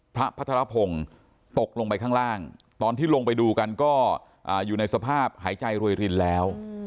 พระพัทรพงศ์ตกลงไปข้างล่างตอนที่ลงไปดูกันก็อยู่ในสภาพหายใจรวยรินแล้ว